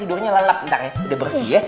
udah bersih ya